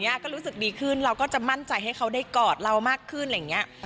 ก็รู้สึกดีขึ้นเราก็จะมั่นใจให้เขาได้กอดเรามากขึ้นอะไรอย่างเงี้ย